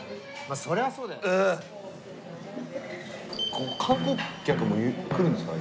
ここ観光客も来るんですかね。